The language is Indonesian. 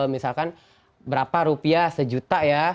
misalkan berapa rupiah sejuta ya